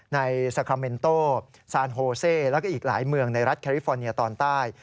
ในซาคาเมนโตซานโฮเซแล้วก็อีกหลายเมืองในรัฐแคลิฟอร์เนียตอนใต้